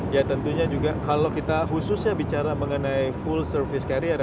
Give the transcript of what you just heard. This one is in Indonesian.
ya tentunya juga kalau kita khususnya bicara mengenai full service carrier